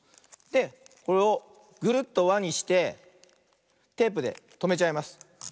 でこれをグルッとわにしてテープでとめちゃいます。